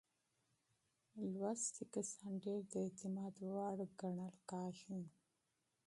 تعلیم یافته کسان ډیر د اعتماد وړ ګڼل کېږي.